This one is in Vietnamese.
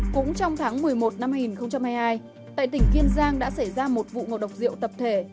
cũng trong tháng một mươi một năm hai nghìn hai mươi hai tại tỉnh kiên giang đã xảy ra một vụ ngộ độc rượu tập thể